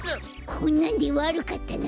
こんなんでわるかったな！